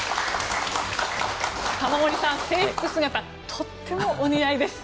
玉森さん、制服姿とってもお似合いです。